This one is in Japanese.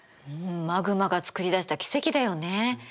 うんマグマがつくりだした奇跡だよね。